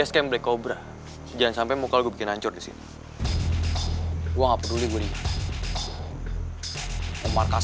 sekarang moni udah tau kalo ivan tuh pura pura sakit